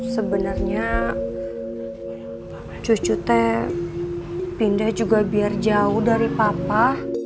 sebenarnya cucu teh pindah juga biar jauh dari papa